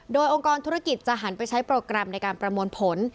โดยองค์กรธุรกิจจะหันไปใช้โปรแกรมในการประมวลผล